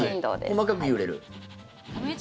細かく揺れる。